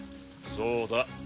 そうだ。